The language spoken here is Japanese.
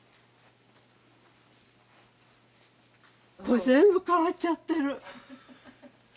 これ全部変わっちゃってる色が。